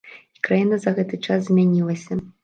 І краіна за гэты час змянілася.